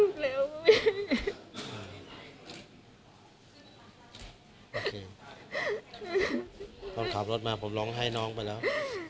ภพขับรถมาผมหลงให้น้องไปแล้ว